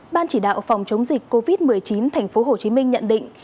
ban chỉ đạo phòng chống dịch covid một mươi chín tp hcm nhận định